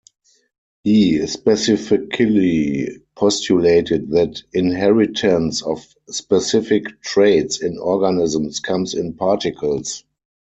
He specifically postulated that inheritance of specific traits in organisms comes in particles.